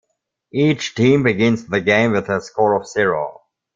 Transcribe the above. Each team begins the game with a score of zero.